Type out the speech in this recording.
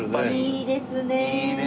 いいですね。